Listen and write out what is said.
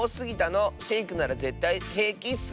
シェイクならぜったいへいきッス！